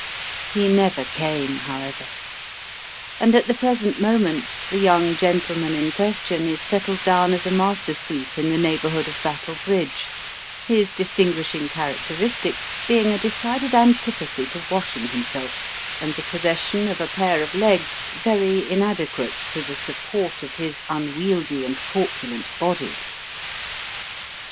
He never came, however ; and, at the present moment, the young gentleman in question is settled down as a master sweep in the neighbourhood of Battle Bridge, his distinguishing characteristics being a decided antipathy to washing himself, and the possession of a pair of legs very inadequate to the support of his unwieldy and corpulent body.